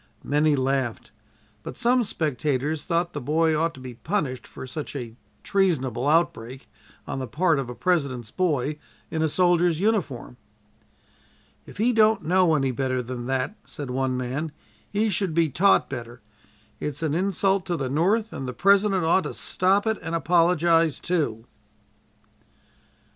Many laughed, but some spectators thought the boy ought to be punished for such a treasonable outbreak on the part of a President's boy in a soldier's uniform. "If he don't know any better than that," said one man, "he should be taught better. It's an insult to the North and the President ought to stop it and apologize, too."